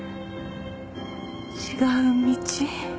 違う道？